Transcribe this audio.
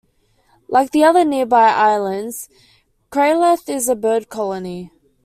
Like the other nearby islands, Craigleith is a bird colony.